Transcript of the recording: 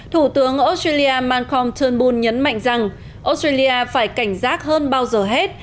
thủ tướng australia malcolm turnbull nhấn mạnh rằng australia phải cảnh giác hơn bao giờ hết